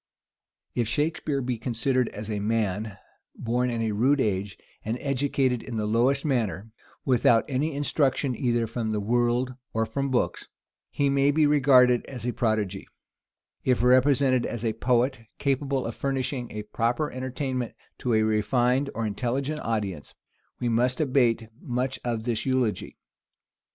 If Shakspeare be considered as a man, born in a rude age, and educated in the lowest manner, without any instruction either from the world or from books, he may be regarded as a prodigy: if represented as a poet, capable of furnishing a proper entertainment to a refined or intelligent audience, we must abate much of this eulogy.